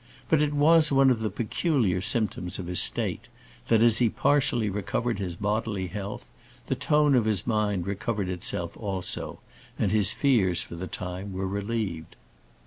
But it was one of the peculiar symptoms of his state, that as he partially recovered his bodily health, the tone of his mind recovered itself also, and his fears for the time were relieved.